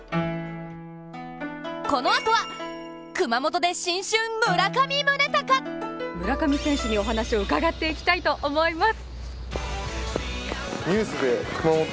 このあとは、熊本で新春・村上宗隆！村上選手にお話を伺っていきたいと思います！